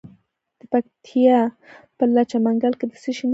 د پکتیا په لجه منګل کې د څه شي نښې دي؟